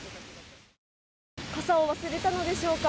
傘を忘れたのでしょうか。